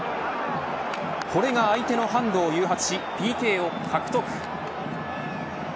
これが相手のハンドを誘発しＰＫを獲得。